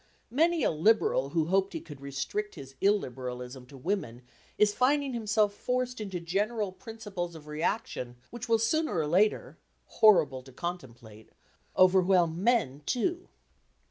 Many a Liberal who hoped he could restrict his illiberalism to women, is finding himself forced into general principles of reaction which will sooner or later—horrible to contemplate!—overwhelm men too.